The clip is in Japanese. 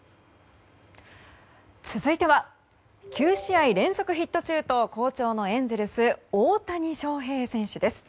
続いては９試合連続ヒット中と好調のエンゼルス大谷翔平選手です。